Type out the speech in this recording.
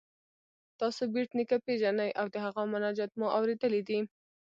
تاسو بېټ نیکه پيژنئ او د هغه مناجات مو اوریدلی دی؟